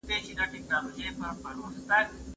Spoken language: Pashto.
موږ بايد دقيق پلان ولرو.